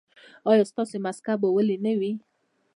ایا ستاسو مسکه به ویلې نه وي؟